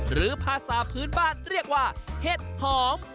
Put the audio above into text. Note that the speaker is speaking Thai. หรือภาษาพื้นบ้านเรียกว่าเห็ดหอม